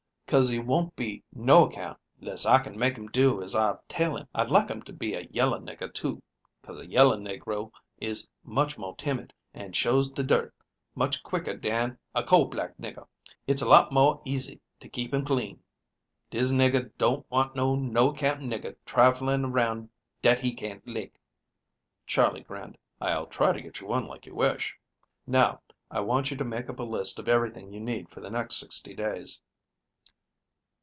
"'Cause he won't be noaccount 'less I can make him do as I tell him. I'd like him to be a yellar nigger, too. 'Cause a yellar negro is much more timid, and shows de dirt much quicker dan a coal black nigger. Hit's a lot moah easy to keep him clean. Dis nigger don't want no noaccount nigger trifling around dat he can't lick." Charley grinned. "I'll try to get you one like you wish. Now, I want you to make up a list of everything you need for the next sixty days."